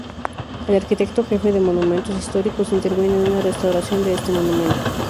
El arquitecto jefe de monumentos históricos intervino en una restauración de este monumento.